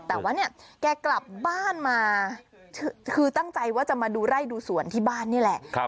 แต่ว่าเนี่ยแกกลับบ้านมาคือตั้งใจว่าจะมาดูไร่ดูสวนที่บ้านนี่แหละ